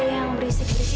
kamu harus tetap berhenti